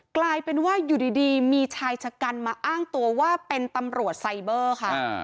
กลายเป็นว่าอยู่ดีมีชายชะกันมาอ้างตัวว่าเป็นตำรวจไซเบอร์ค่ะ